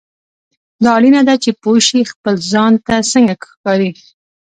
دا اړینه ده چې پوه شې خپل ځان ته څنګه ښکارې.